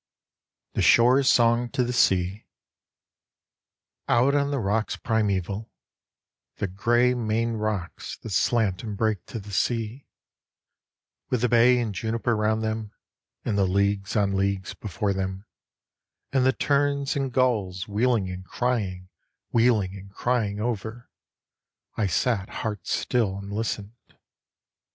THE SHORE'S SONG TO THE SEA Out on the rocks primeval, The grey Maine rocks that slant and break to the sea, With the bay and juniper round them, And the leagues on leagues before them, And the terns and gulls wheeling and crying, wheeling and crying over, I sat heart still and listened.